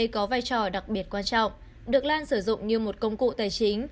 có vai trò đặc biệt quan trọng được lan sử dụng như một công cụ tài chính